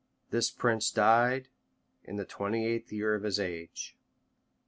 [*] This prince died in the twenty eighth year of his age.